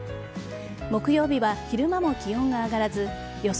木曜日は昼間も気温が上がらず予想